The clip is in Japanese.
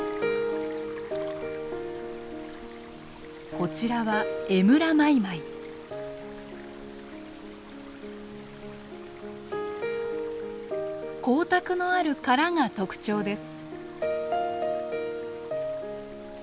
こちらは光沢のある殻が特徴です。